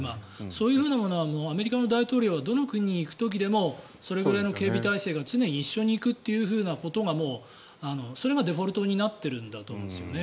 そういうふうなものはアメリカの大統領はどの国に行く時でもそれぐらいの警備体制が常に一緒に行くということがもう、それがデフォルトになってるんだと思うんですよね。